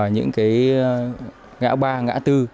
những ngã ba ngã tư